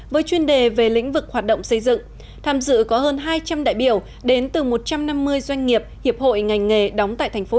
với chuyên đề về lĩnh vực hoạt động xây dựng tham dự có hơn hai trăm linh đại biểu đến từ một trăm năm mươi doanh nghiệp hiệp hội ngành nghề đóng tại tp hcm